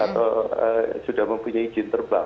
atau sudah mempunyai izin terbang